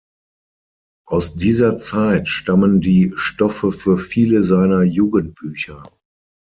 Aus dieser Zeit stammen die Stoffe für viele seiner Jugendbücher.